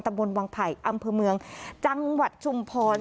บนวังไผ่อำเภอเมืองจังหวัดชุมพร